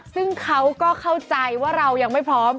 ซึ่งเขาก็เข้าใจว่าเรายังไม่พร้อม